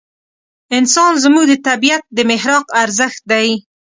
انسان زموږ د طبعیت د محراق ارزښت دی.